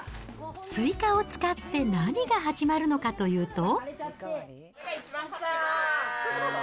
スイカを使って何が始まるのかというと。